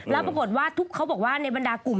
แล้วปรากฏว่าเขาบอกว่าในบรรดากลุ่ม